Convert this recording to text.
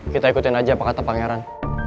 kita ikutin aja apa kata pangeran